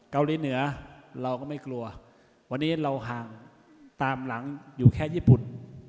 เกาหลีเหนือเราก็ไม่กลัววันนี้เราห่างตามหลังอยู่แค่ญี่ปุ่น